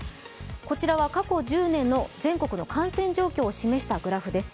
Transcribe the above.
こちらは過去１０年の全国の感染状況を示したグラフです。